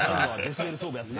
デシベル勝負って。